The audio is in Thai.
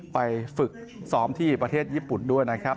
ไปฝึกซ้อมที่ประเทศญี่ปุ่นด้วยนะครับ